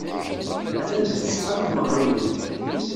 Atan deg tzeɣɣa n tmeɣriwin.